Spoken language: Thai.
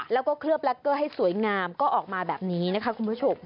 แล้วก็เคลือบแล็กเกอร์ให้สวยงามก็ออกมาแบบนี้นะคะคุณผู้ชม